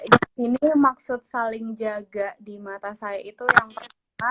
di sini maksud saling jaga di mata saya itu yang pertama